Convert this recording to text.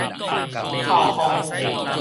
透風